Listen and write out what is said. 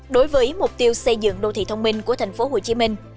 đối với mục tiêu xây dựng đô thị thông minh của thành phố hồ chí minh